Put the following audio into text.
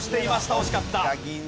惜しかった。